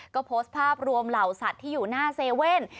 ก็โพสต์ภาพรวมเหล่าสัตว์ที่อยู่หน้าเซเว่น